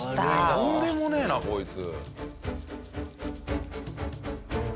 とんでもねえなこいつ。